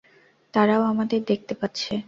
তারাও আমাদের দেখতে পাচ্ছে।